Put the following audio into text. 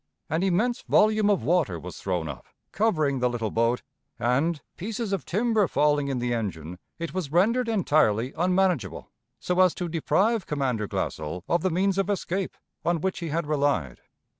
An immense volume of water was thrown up, covering the little boat, and, pieces of timber falling in the engine, it was rendered entirely unmanageable, so as to deprive Commander Glassell of the means of escape on which he had relied.